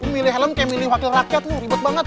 kau milih helm kayak milih wakil rakyat ribet banget